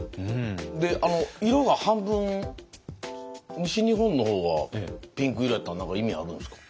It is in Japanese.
で色が半分西日本の方はピンク色やったんは何か意味あるんすか？